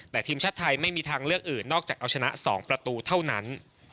แต่ทีมชาติไทยไม่มีทางเลือกอื่นนอกจากเอาชนะ๒ประตูเท่านั้น